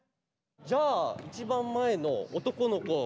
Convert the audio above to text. じゃあ一番前の男の子。